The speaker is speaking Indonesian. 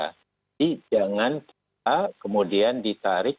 jangan kita kemudian ditarik